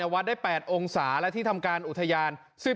วัดได้๘องศาและที่ทำการอุทยาน